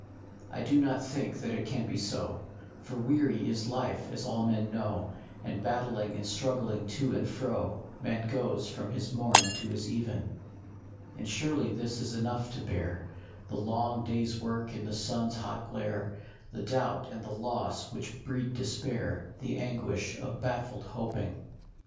I do not think that it can be so ; For weary is life, as all men know, And battling and struggling to and fro Man goes from his morn to his even. JUST BEYOND. 1/3 And surely this is enough to bear, The long day s work in the sun s hot glare, The doubt and the loss which breed despair, The anguish of baffled hoping.